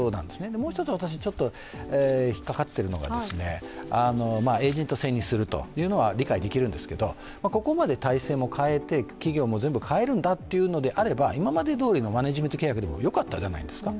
もう一つ私、ちょっと引っかかってるのはエージェント制にするとここまでは分かるんですけどここまで体制も変えて企業も全部変えるのだというのであれば、今までどおりのマネジメント契約でもよかったじゃないですか。